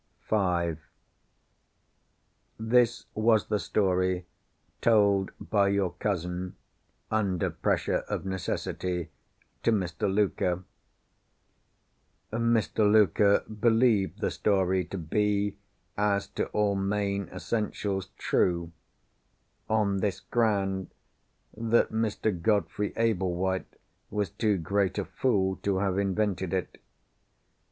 V This was the story told by your cousin (under pressure of necessity) to Mr. Luker. Mr. Luker believed the story to be, as to all main essentials, true—on this ground, that Mr. Godfrey Ablewhite was too great a fool to have invented it.